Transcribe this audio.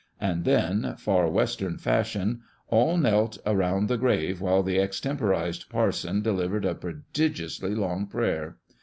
And then, Far Western fashion, all knelt around the grave while the extemporised parson delivered a prodigiously long prayer.